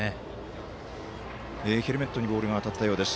ヘルメットにボールが当たったようです。